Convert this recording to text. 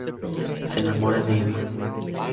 Se enamora de Ema.